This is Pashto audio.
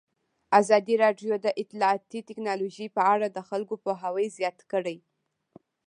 ازادي راډیو د اطلاعاتی تکنالوژي په اړه د خلکو پوهاوی زیات کړی.